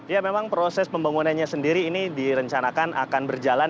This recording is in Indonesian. ya memang proses pembangunannya sendiri ini direncanakan akan berjalan